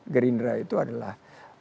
gerindra itu adalah